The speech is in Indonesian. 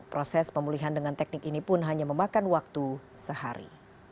proses pemulihan dengan teknik ini pun hanya memakan waktu sehari